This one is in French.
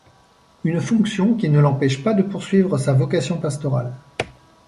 Une fonction qui ne l’empêche pas de poursuivre sa vocation pastorale.